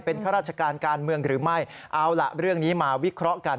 เป็นข้าราชการการเมืองหรือไม่เอาล่ะเรื่องนี้มาวิเคราะห์กัน